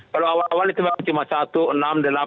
kalau awal awalnya itu cuma satu enam delapan